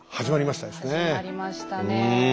始まりましたね。